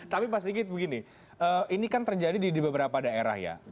tapi pak sigit begini ini kan terjadi di beberapa daerah ya